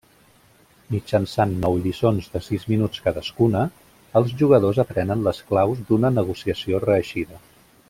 Mitjançant nou lliçons de sis minuts cadascuna els jugadors aprenen les claus d'una negociació reeixida.